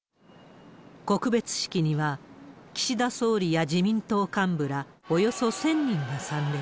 告別式には、岸田総理や自民党幹部らおよそ１０００人が参列。